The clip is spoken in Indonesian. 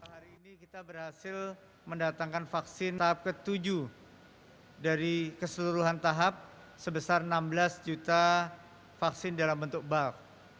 hari ini kita berhasil mendatangkan vaksin tahap ke tujuh dari keseluruhan tahap sebesar enam belas juta vaksin dalam bentuk buff